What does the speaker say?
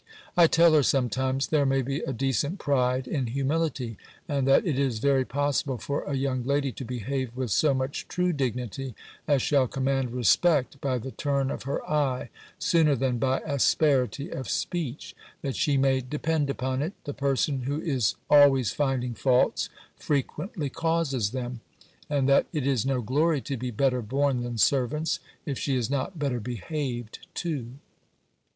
I tell her sometimes, there may be a decent pride in humility, and that it is very possible for a young lady to behave with so much true dignity, as shall command respect by the turn of her eye, sooner than by asperity of speech; that she may depend upon it, the person, who is always finding faults, frequently causes them; and that it is no glory to be better born than servants, if she is not better behaved too.